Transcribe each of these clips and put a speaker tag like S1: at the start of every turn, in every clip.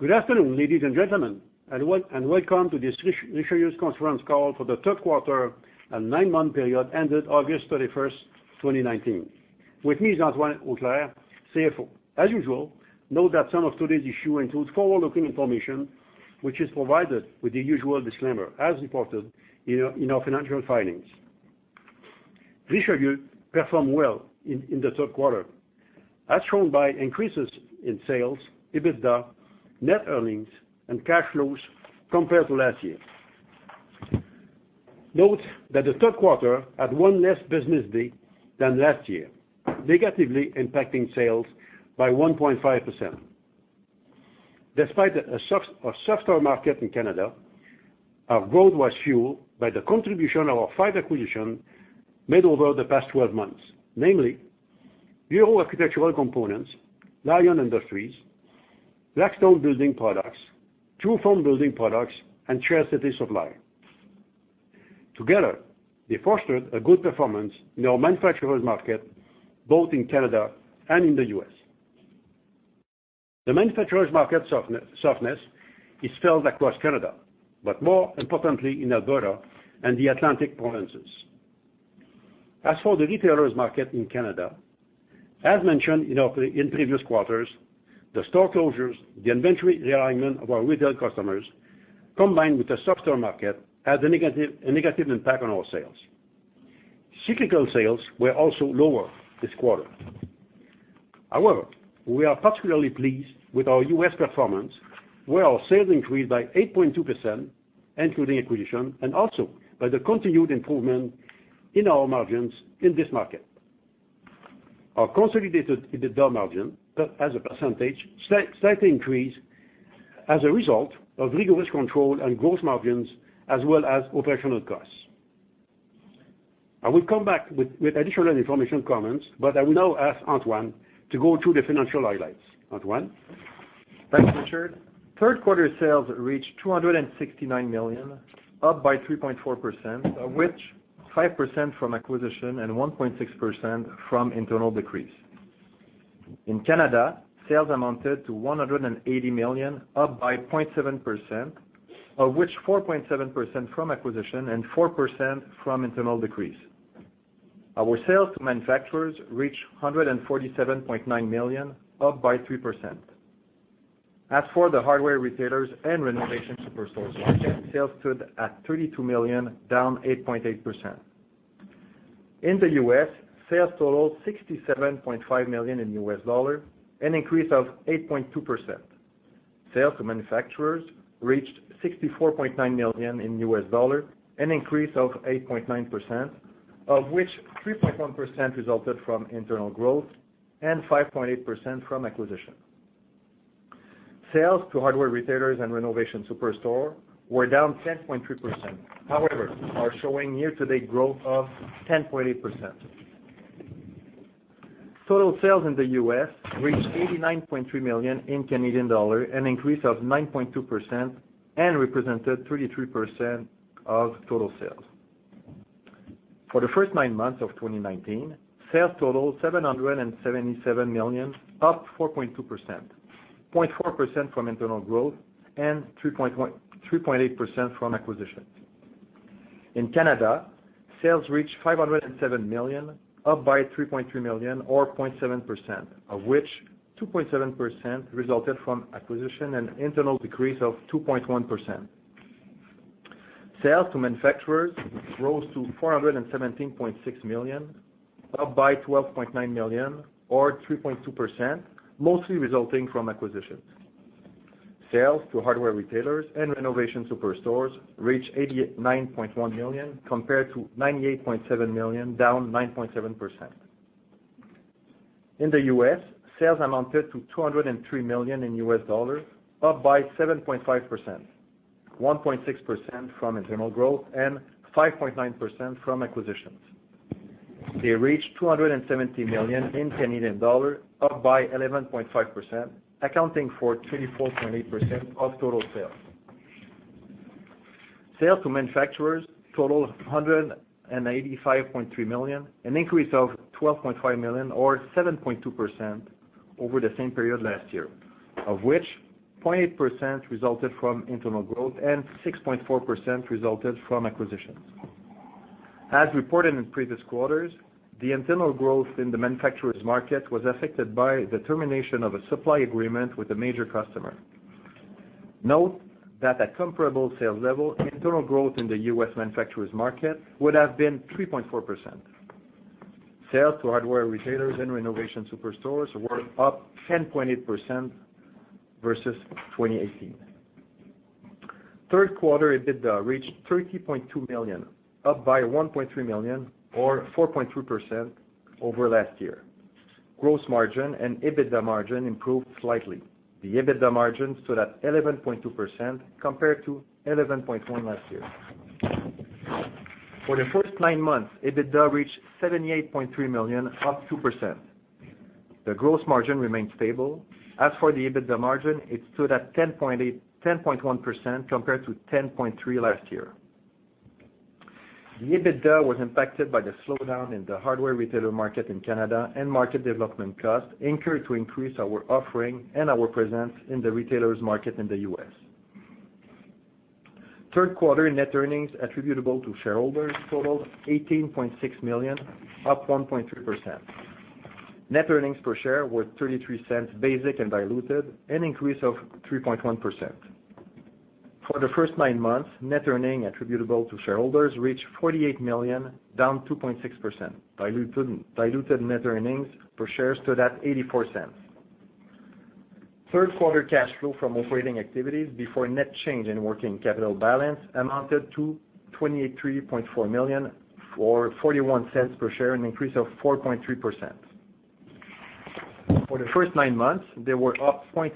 S1: Good afternoon, ladies and gentlemen, and welcome to this Richelieu conference call for the third quarter and nine-month period ended August 31st, 2019. With me is Antoine Auclair, CFO. As usual, note that some of today's issue includes forward-looking information, which is provided with the usual disclaimer as reported in our financial filings. Richelieu performed well in the third quarter, as shown by increases in sales, EBITDA, net earnings and cash flows compared to last year. Note that the third quarter had one less business day than last year, negatively impacting sales by 1.5%. Despite a softer market in Canada, our growth was fueled by the contribution of our five acquisitions made over the past 12 months. Namely, Euro Architectural Components, Lion Industries, Blackstone Building Products, Truform Building Products, and Chair City Supply. Together, they fostered a good performance in our manufacturer's market, both in Canada and in the U.S. The manufacturer's market softness is felt across Canada, but more importantly in Alberta and the Atlantic provinces. As for the retailer's market in Canada, as mentioned in previous quarters, the store closures, the inventory realignment of our retail customers, combined with a softer market, had a negative impact on our sales. Cyclical sales were also lower this quarter. However, we are particularly pleased with our U.S. performance, where our sales increased by 8.2%, including acquisition, and also by the continued improvement in our margins in this market. Our consolidated EBITDA margin as a percentage slightly increased as a result of rigorous control and gross margins, as well as operational costs. I will come back with additional information and comments, but I will now ask Antoine to go through the financial highlights. Antoine?
S2: Thanks, Richard. Third quarter sales reached 269 million, up by 3.4%, of which 5% from acquisition and 1.6% from internal decrease. In Canada, sales amounted to 180 million, up by 0.7%, of which 4.7% from acquisition and 4% from internal decrease. Our sales to manufacturers reached 147.9 million, up by 3%. As for the hardware retailers and renovation superstore market, sales stood at 32 million, down 8.8%. In the U.S., sales totaled $67.5 million, an increase of 8.2%. Sales to manufacturers reached $64.9 million, an increase of 8.9%, of which 3.1% resulted from internal growth and 5.8% from acquisition. Sales to hardware retailers and renovation superstore were down 10.3%. However, are showing year-to-date growth of 10.8%. Total sales in the U.S. reached 89.3 million, an increase of 9.2% and represented 33% of total sales. For the first nine months of 2019, sales totaled 777 million, up 4.2%, 0.4% from internal growth and 3.8% from acquisitions. In Canada, sales reached 507 million, up by 3.3 million or 0.7%, of which 2.7% resulted from acquisition and internal decrease of 2.1%. Sales to manufacturers rose to 417.6 million, up by 12.9 million, or 3.2%, mostly resulting from acquisitions. Sales to hardware retailers and renovation superstores reached 89.1 million compared to 98.7 million, down 9.7%. In the US, sales amounted to $203 million, up by 7.5%, 1.6% from internal growth and 5.9% from acquisitions. They reached 270 million in Canadian dollar, up by 11.5%, accounting for 34.8% of total sales. Sales to manufacturers totaled 185.3 million, an increase of 12.5 million or 7.2% over the same period last year, of which 0.8% resulted from internal growth and 6.4% resulted from acquisitions. As reported in previous quarters, the internal growth in the manufacturer's market was affected by the termination of a supply agreement with a major customer. Note that at comparable sales level, internal growth in the U.S. manufacturer's market would have been 3.4%. Sales to hardware retailers and renovation superstores were up 10.8% versus 2018. Third quarter EBITDA reached 30.2 million, up by 1.3 million or 4.3% over last year. Gross margin and EBITDA margin improved slightly. The EBITDA margin stood at 11.2% compared to 11.1% last year. For the first nine months, EBITDA reached 78.3 million, up 2%. The gross margin remains stable. As for the EBITDA margin, it stood at 10.1% compared to 10.3% last year. The EBITDA was impacted by the slowdown in the hardware retailer market in Canada and market development costs incurred to increase our offering and our presence in the retailers market in the U.S. Third quarter net earnings attributable to shareholders totaled 18.6 million, up 1.3%. Net earnings per share were 0.33 basic and diluted, an increase of 3.1%. For the first nine months, net earning attributable to shareholders reached 48 million, down 2.6%. Diluted net earnings per share stood at 0.84. Third quarter cash flow from operating activities before net change in working capital balance amounted to 23.4 million or 0.41 per share, an increase of 4.3%. For the first nine months, they were up 0.6%,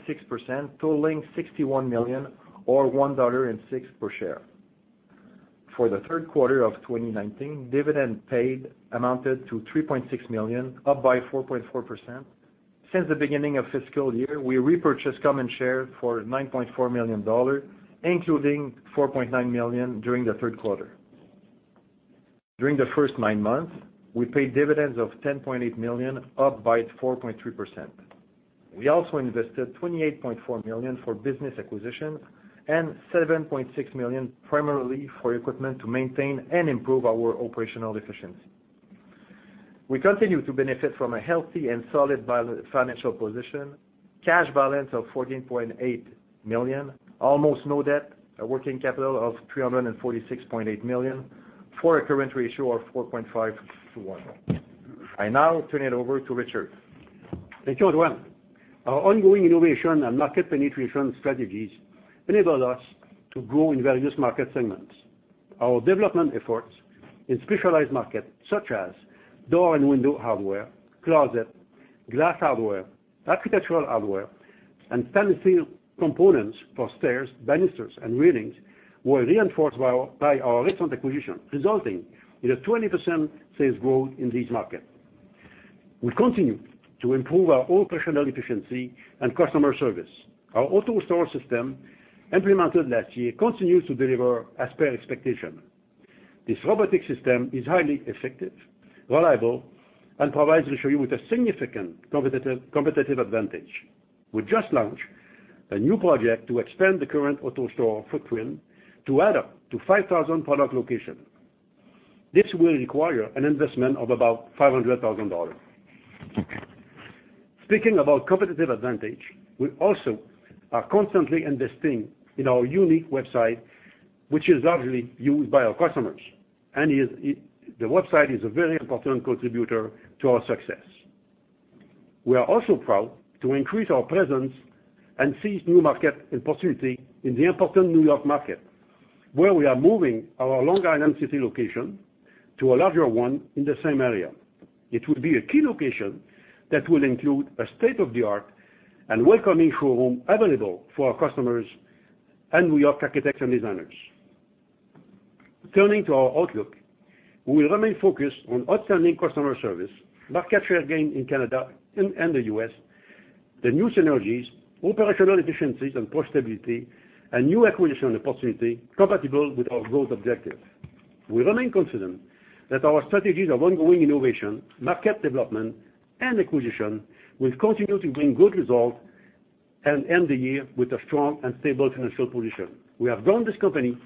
S2: totaling 61 million or 1.06 dollar per share. For the third quarter of 2019, dividend paid amounted to 3.6 million, up by 4.4%. Since the beginning of fiscal year, we repurchased common share for 9.4 million dollars, including 4.9 million during the third quarter. During the first nine months, we paid dividends of 10.8 million, up by 4.3%. We also invested 28.4 million for business acquisition and 7.6 million primarily for equipment to maintain and improve our operational efficiency. We continue to benefit from a healthy and solid financial position, cash balance of 14.8 million, almost no debt, a working capital of 346.8 million for a current ratio of 4.5 to 1. I now turn it over to Richard.
S1: Thank you, Antoine. Our ongoing innovation and market penetration strategies enabled us to grow in various market segments. Our development efforts in specialized markets such as door and window hardware, closet, glass hardware, architectural hardware, and stainless steel components for stairs, banisters, and railings were reinforced by our recent acquisition, resulting in a 20% sales growth in these markets. We continue to improve our operational efficiency and customer service. Our AutoStore system, implemented last year, continues to deliver as per expectation. This robotic system is highly effective, reliable, and provides Richelieu with a significant competitive advantage. We just launched a new project to expand the current AutoStore footprint to add up to 5,000 product locations. This will require an investment of about 500,000 dollars. Speaking about competitive advantage, we also are constantly investing in our unique website, which is largely used by our customers and the website is a very important contributor to our success. We are also proud to increase our presence and seize new market and possibility in the important New York market, where we are moving our Long Island City location to a larger one in the same area. It will be a key location that will include a state-of-the-art and welcoming showroom available for our customers and New York architects and designers. Turning to our outlook, we will remain focused on outstanding customer service, market share gain in Canada and the U.S., the new synergies, operational efficiencies, and profitability, and new acquisition opportunity compatible with our growth objectives. We remain confident that our strategies of ongoing innovation, market development, and acquisition will continue to bring good results and end the year with a strong and stable financial position. We have grown this company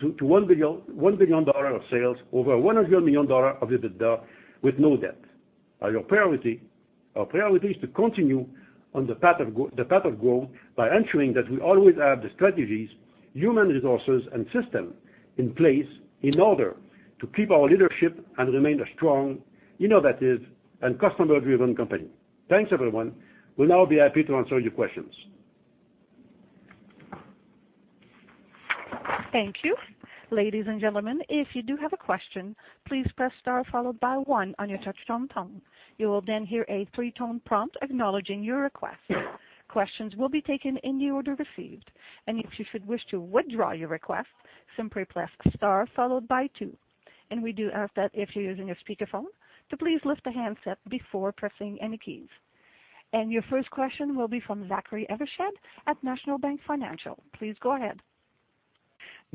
S1: to 1 billion dollar of sales, over 100 million dollar of EBITDA with no debt. Our priority is to continue on the path of growth by ensuring that we always have the strategies, human resources, and system in place in order to keep our leadership and remain a strong, innovative, and customer-driven company. Thanks, everyone. We'll now be happy to answer your questions.
S3: Thank you. Ladies and gentlemen, if you do have a question, please press star followed by one on your touchtone phone. You will then hear a three-tone prompt acknowledging your request. Questions will be taken in the order received. If you should wish to withdraw your request, simply press star followed by two. We do ask that if you're using a speakerphone, to please lift the handset before pressing any keys. Your first question will be from Zachary Evershed at National Bank Financial. Please go ahead.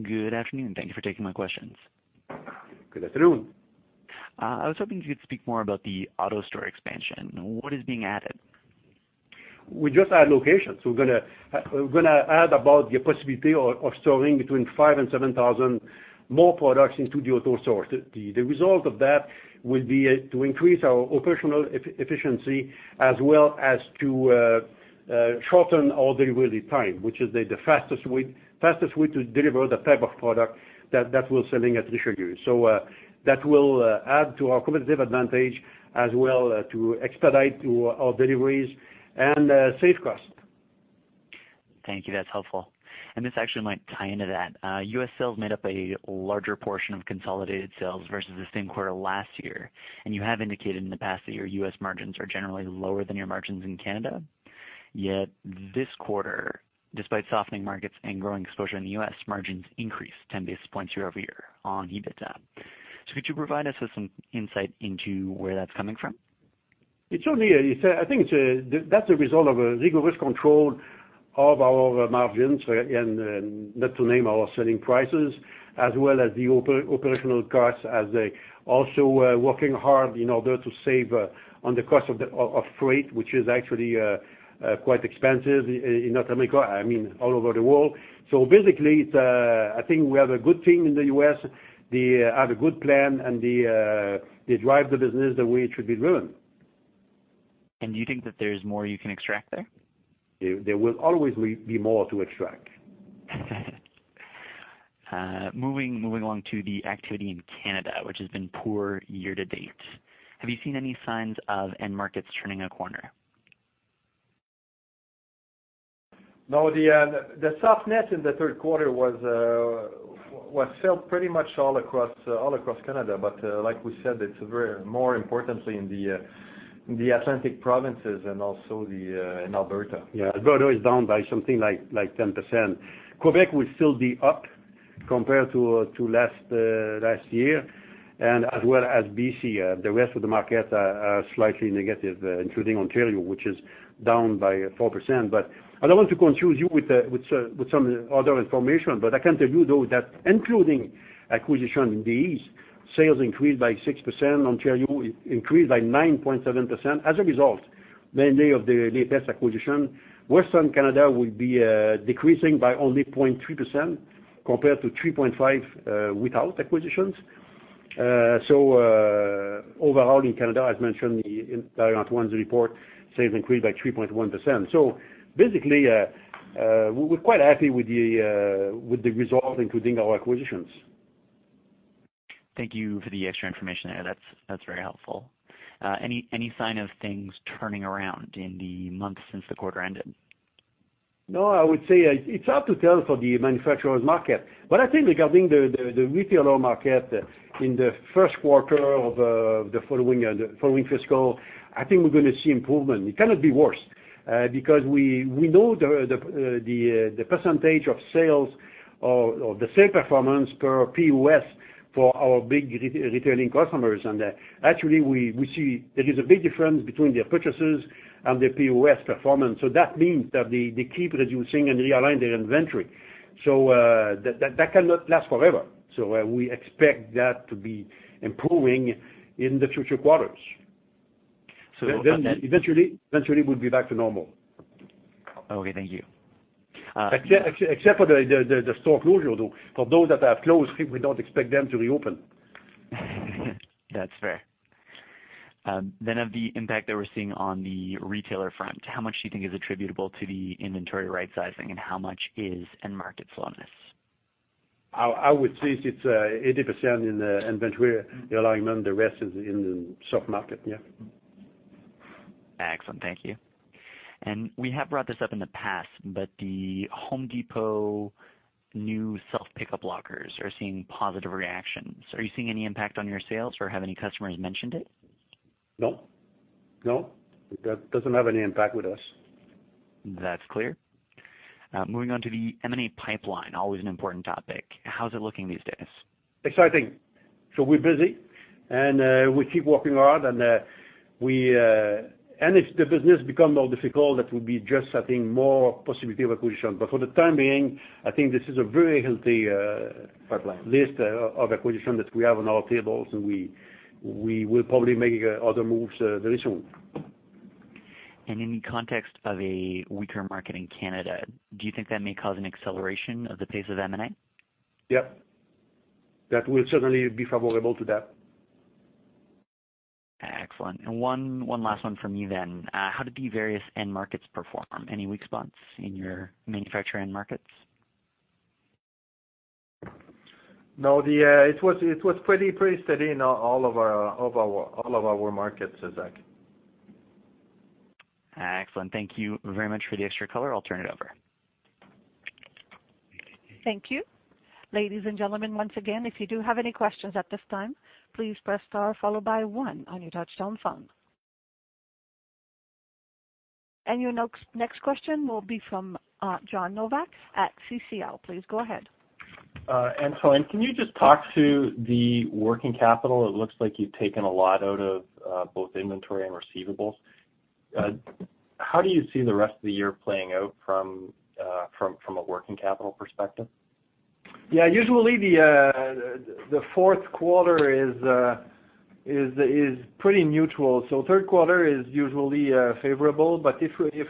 S4: Good afternoon. Thank you for taking my questions.
S1: Good afternoon.
S4: I was hoping you could speak more about the AutoStore expansion. What is being added?
S1: We just add locations. We're gonna add about the possibility of storing between five and 7,000 more products into the AutoStore. The result of that will be to increase our operational efficiency as well as to shorten order worthy time, which is the fastest way to deliver the type of product that we're selling at Richelieu. That will add to our competitive advantage as well to expedite our deliveries and save cost.
S4: Thank you. That's helpful. This actually might tie into that. U.S. sales made up a larger portion of consolidated sales versus the same quarter last year, and you have indicated in the past that your U.S. margins are generally lower than your margins in Canada. Yet this quarter, despite softening markets and growing exposure in the U.S., margins increased 10 basis points year-over-year on EBITDA. Could you provide us with some insight into where that's coming from?
S1: I think that's a result of a rigorous control of our margins, and not to name our selling prices, as well as the operational costs, as they also are working hard in order to save on the cost of freight, which is actually quite expensive in North America, I mean, all over the world. Basically, I think we have a good team in the U.S. They have a good plan, and they drive the business the way it should be driven.
S4: Do you think that there's more you can extract there?
S1: There will always be more to extract.
S4: Moving on to the activity in Canada, which has been poor year to date. Have you seen any signs of end markets turning a corner?
S1: No, the softness in the third quarter was felt pretty much all across Canada. Like we said, it's more importantly in the Atlantic provinces and also in Alberta. Yeah. Alberta is down by something like 10%. Quebec will still be up compared to last year, and as well as BC. The rest of the markets are slightly negative, including Ontario, which is down by 4%. I don't want to confuse you with some other information, but I can tell you, though, that including acquisition in these, sales increased by 6%. Ontario increased by 9.7%. As a result, mainly of the latest acquisition, Western Canada will be decreasing by only 0.3% compared to 3.5% without acquisitions. Overall in Canada, as mentioned in the report, sales increased by 3.1%. Basically, we're quite happy with the results, including our acquisitions.
S4: Thank you for the extra information there. That's very helpful. Any sign of things turning around in the months since the quarter ended?
S1: I would say it's hard to tell for the manufacturer's market. I think regarding the retailer market in the first quarter of the following fiscal, I think we're going to see improvement. It cannot be worse. We know the percentage of sales or the sale performance per POS for our big returning customers, and actually, we see there is a big difference between their purchases and their POS performance. That means that they keep reducing and realigning their inventory. That cannot last forever. We expect that to be improving in the future quarters.
S4: So then- Eventually, we'll be back to normal. Okay, thank you.
S1: Except for the store closure, though. For those that are closed, we don't expect them to reopen.
S4: That's fair. Of the impact that we're seeing on the retailer front, how much do you think is attributable to the inventory rightsizing and how much is end market slowness?
S1: I would say it's 80% in inventory realignment. The rest is in soft market, yeah.
S4: Excellent, thank you. We have brought this up in the past, but The Home Depot new self-pickup lockers are seeing positive reactions. Are you seeing any impact on your sales, or have any customers mentioned it?
S1: No. No, that doesn't have any impact with us.
S4: That's clear. Moving on to the M&A pipeline, always an important topic. How's it looking these days?
S1: Exciting. We're busy, we keep working hard, if the business becomes more difficult, that will be just, I think, more possibility of acquisition. For the time being, I think this is a very healthy pipeline list of acquisitions that we have on our tables, we will probably make other moves very soon.
S4: In the context of a weaker market in Canada, do you think that may cause an acceleration of the pace of M&A?
S1: Yep. That will certainly be favorable to that.
S4: Excellent. One last one from me then. How did the various end markets perform? Any weak spots in your manufacturer end markets?
S1: No, it was pretty steady in all of our markets, Zach.
S4: Excellent. Thank you very much for the extra color. I'll turn it over.
S3: Thank you. Ladies and gentlemen, once again, if you do have any questions at this time, please press star followed by one on your touchtone phone. Your next question will be from John Novak at CC&L. Please go ahead.
S5: Antoine, can you just talk to the working capital? It looks like you've taken a lot out of both inventory and receivables. How do you see the rest of the year playing out from a working capital perspective?
S2: Yeah. Usually, the fourth quarter is pretty neutral. The third quarter is usually favorable.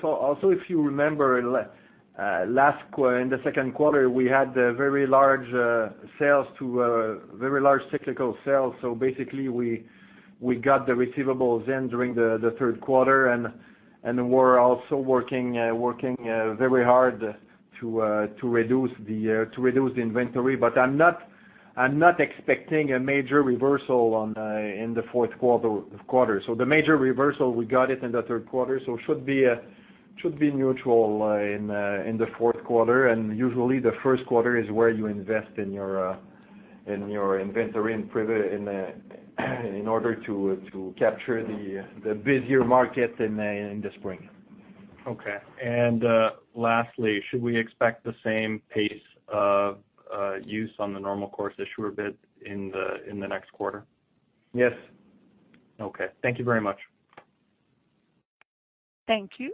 S2: Also, if you remember, in the second quarter, we had very large cyclical sales. Basically, we got the receivables in during the third quarter, and we're also working very hard to reduce the inventory. I'm not expecting a major reversal in the fourth quarter. The major reversal, we got it in the third quarter, so it should be neutral in the fourth quarter. Usually, the first quarter is where you invest in your inventory in order to capture the busier market in the spring.
S5: Okay. Lastly, should we expect the same pace of use on the Normal Course Issuer Bid in the next quarter?
S1: Yes.
S5: Okay. Thank you very much.
S3: Thank you.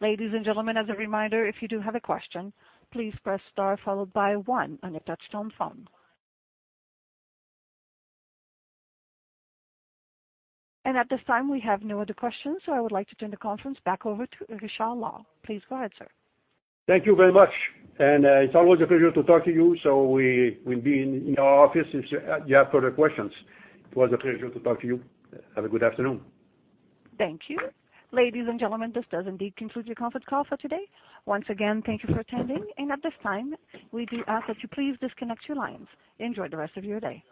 S3: Ladies and gentlemen, as a reminder, if you do have a question, please press star followed by one on your touchtone phone. At this time, we have no other questions, so I would like to turn the conference back over to Richard Lord. Please go ahead, sir.
S1: Thank you very much. It's always a pleasure to talk to you. We'll be in our office if you have further questions. It was a pleasure to talk to you. Have a good afternoon.
S3: Thank you. Ladies and gentlemen, this does indeed conclude your conference call for today. Once again, thank you for attending. At this time, we do ask that you please disconnect your lines. Enjoy the rest of your day.